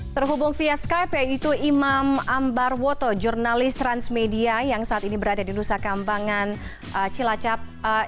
terhubung via skype yaitu imam ambarwoto jurnalis transmedia yang saat ini berada di nusa kambangan cilacap